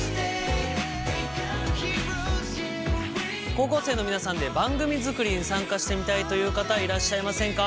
高校生の皆さんで番組作りに参加してみたいという方いらっしゃいませんか？